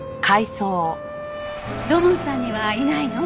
土門さんにはいないの？